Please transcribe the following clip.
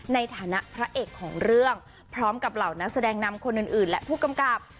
ในฐานะพระเอกของเรื่องพร้อมกับเหล่านักแสดงนำคนอื่นและผู้กำกับ